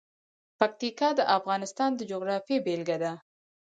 پکتیکا د افغانستان د جغرافیې بېلګه ده.